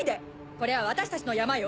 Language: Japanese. これは私たちのヤマよ。